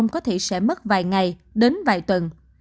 có thể sẽ mất vài ngày đến vài tuần